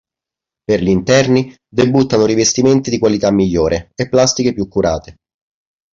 Per gli interni debuttano rivestimenti di qualità migliore e plastiche più curate.